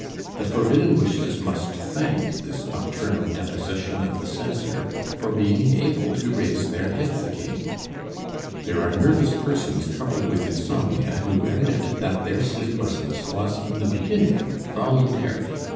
The forbidden wishes must thank this noctural deposition of the censor for being able to raise their heads again. There are nervous persons troubled with insomnia who admit that their sleeplessness was in the beginning voluntary.